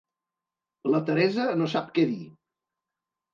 La Teresa no sap què dir.